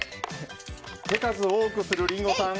手数を多くするリンゴさん。